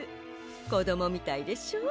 こどもみたいでしょ？